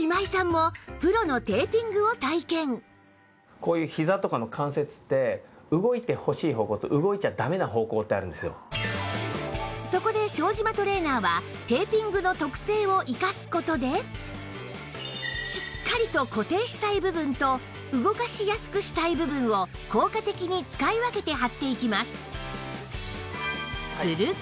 こういうひざとかのそこで庄島トレーナーはしっかりと固定したい部分と動かしやすくしたい部分を効果的に使い分けて貼っていきます